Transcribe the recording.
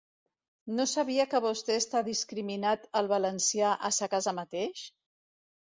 No sabia que vostè està discriminat el valencià a sa casa mateix?